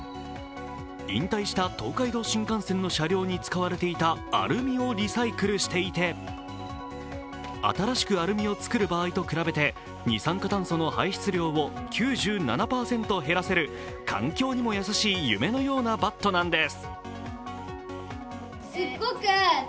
引退した東海道新幹線の車両に使われていたアルミをリサイクルしていて新しくアルミを作る場合と比べて二酸化炭素の排出量を９７％減らせる、環境にも優しい夢のようなバットなんです。